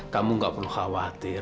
kamu nggak perlu khawatir